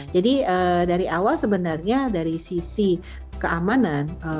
jadi dari awal sebenarnya dari sisi keamanan